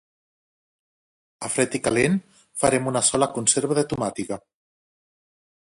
A Fred i Calent farem una sola conserva de tomàtiga.